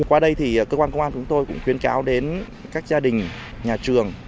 qua đây thì cơ quan công an chúng tôi cũng khuyến cáo đến các gia đình nhà trường